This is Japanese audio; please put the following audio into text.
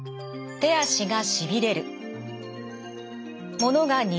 手足がしびれる。